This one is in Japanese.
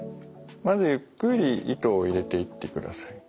まずゆっくり糸を入れていってください。